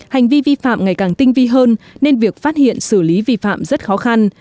hành vi vi phạm ngày càng tinh vi hơn nên việc phát hiện xử lý vi phạm rất khó khăn